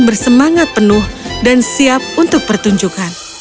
semua pemain bersemangat penuh dan siap untuk pertunjukan